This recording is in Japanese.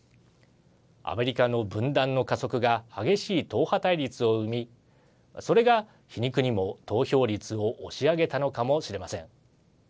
アメリカの分断の加速が激しい党派対立を生みそれが皮肉にも投票率を押し上げたのかもしれません。